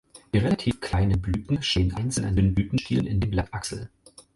Die relativ kleinen Blüten stehen einzeln an dünnen Blütenstielen in den Blattachseln.